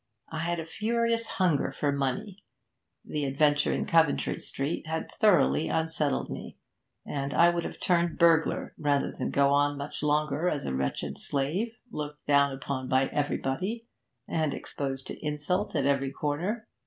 I had a furious hunger for money; the adventure in Coventry Street had thoroughly unsettled me, and I would have turned burglar rather than go on much longer as a wretched slave, looked down upon by everybody, and exposed to insult at every corner.